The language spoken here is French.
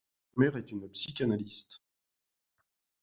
Sa mère est une psychanalyste.